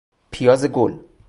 پیاز گل